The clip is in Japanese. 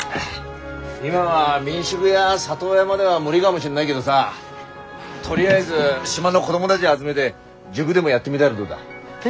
今は民宿や里親までは無理がもしんないげどさとりあえず島の子どもたぢ集めて塾でもやってみだらどうだ？え。